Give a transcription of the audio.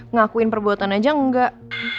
ngakuin perbuatan aja enggak